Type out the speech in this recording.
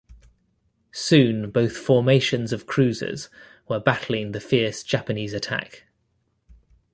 Soon both formations of cruisers were battling the fierce Japanese attack.